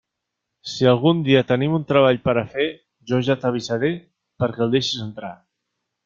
Si algun dia tenim un treball per a fer, jo ja t'avisaré perquè el deixes entrar.